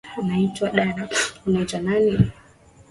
Ninaitwa dana, unaitwa nani?